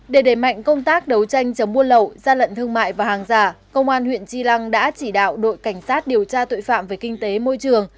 để đẩy mạnh công tác đấu tranh chống buôn lậu gian lận thương mại và hàng giả công an huyện tri lăng đã chỉ đạo đội cảnh sát điều tra tội phạm về kinh tế môi trường